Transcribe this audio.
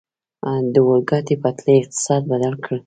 د اورګاډي پټلۍ اقتصاد بدل کړ.